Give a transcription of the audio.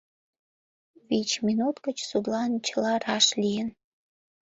Вич минут гыч судлан чыла раш лийын.